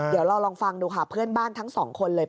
เดี๋ยวเราลองฟังดูค่ะเพื่อนบ้านทั้งสองคนเลย